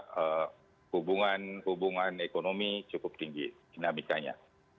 jadi juga hubungan ekonomi cukup tinggi dinamikanya